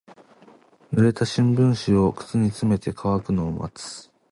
濡れた新聞紙を靴に詰めて乾くのを待つ。